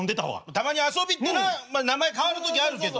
たまに遊びってな名前変わる時あるけど。